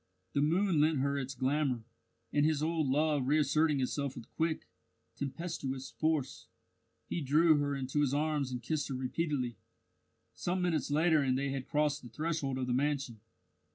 The moon lent her its glamour, and his old love reasserting itself with quick, tempestuous force, he drew her into his arms and kissed her repeatedly. Some minutes later and they had crossed the threshold of the mansion.